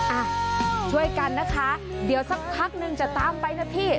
อ่ะช่วยกันนะคะเดี๋ยวสักพักนึงจะตามไปนะพี่